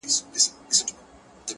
هسي نوم د مرګي بد دی خبر نه دي عالمونه-